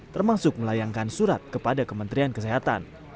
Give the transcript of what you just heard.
termasuk melayangkan surat kepada kementerian kesehatan